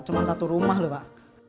cuman satu rumah lho pak